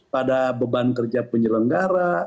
pada beban kerja penyelenggara